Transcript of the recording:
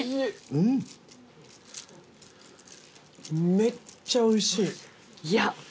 めっちゃおいしい。